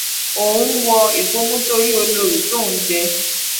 Òun ń wọ ìbòmú tórí olórí t'óun jẹ́.